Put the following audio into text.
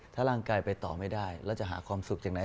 ถ้าร่างกายไปต่อไม่ได้แล้วจะหาความสุขจากไหน